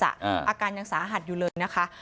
อาการยังสาหัสอยู่เลยนะคะ